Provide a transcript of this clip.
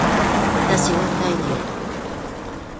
わたしは太陽